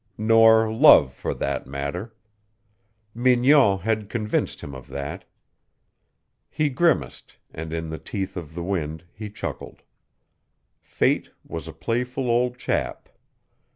Nor love, for that matter. Mignon had convinced him of that. He grimaced, and in the teeth of the wind he chuckled. Fate was a playful old chap.